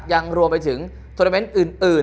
ยังรวมไปถึงโทรเมนต์อื่น